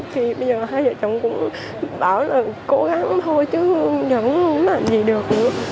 thì bây giờ hai vợ chồng cũng bảo là cố gắng thôi chứ vẫn không làm gì được nữa